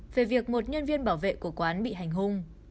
về việc một nhân viên bảo vệ của quán bị hành hung